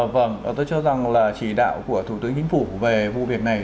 vâng tôi cho rằng là chỉ đạo của thủ tướng chính phủ về vụ việc này